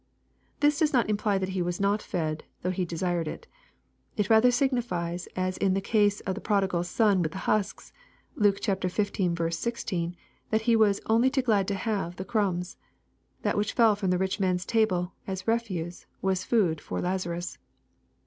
] This does not imply that he was not fed, though he desired it. It ratlicr signifies, as in the case of the prodigal son with the husks, (Luke xv, 16.) that he was "only too glad to have" the crumbs. That which fell fiom the rich man's table, as refuse, was food for Lazarus.